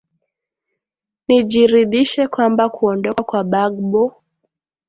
nijiridhishe kwamba kuondoka kwa bagbo